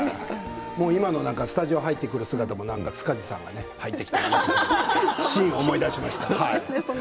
今のスタジオに入ってくる姿も塚地さんが入ってきたなというシーンを思い出しました。